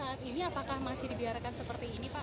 saat ini apakah masih dibiarkan seperti ini pak